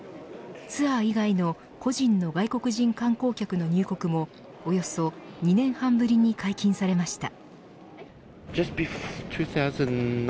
ツアー以外の個人の外国人観光客の入国もおよそ２年半ぶりに解禁されました。